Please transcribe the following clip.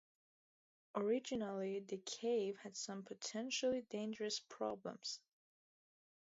Originally, the cave had some potentially dangerous problems.